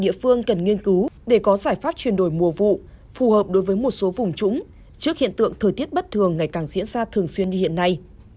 có giải pháp chuyển đổi mùa vụ phù hợp đối với một số vùng trũng trước hiện tượng thời tiết bất thường ngày càng diễn ra thường xuyên như hiện nay